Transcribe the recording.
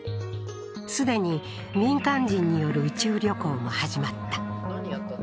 既に民間人による宇宙旅行も始まった。